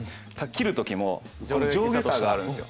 斬る時も上下差があるんですよ。